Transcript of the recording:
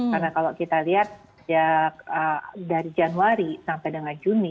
karena kalau kita lihat dari januari sampai dengan juni